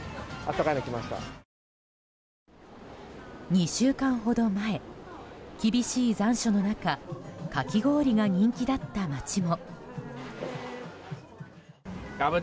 ２週間ほど前、厳しい残暑の中かき氷が人気だった街も。